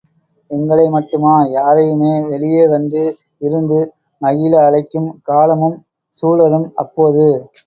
எங்களை மட்டுமா, யாரையுமே, வெளியே வந்து, இருந்து, மகிழ அழைக்கும் காலமும் சூழலும் அப்போது.